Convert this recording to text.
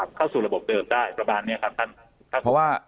เข้าสู่ระบบเดิมได้ประมาณนี้ครับท่านครับเพราะว่า